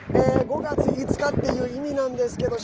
５月５日っていう意味なんですけど。